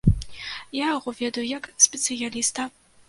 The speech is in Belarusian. Я яго ведаю як спецыяліста.